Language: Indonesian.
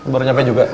baru nyampe juga